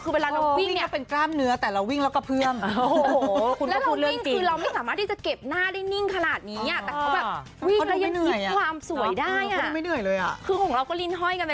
ครึ่งของเราก็รินหอยไปแล้ว